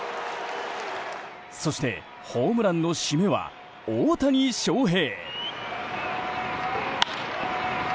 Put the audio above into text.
そして、ホームランの締めは大谷翔平。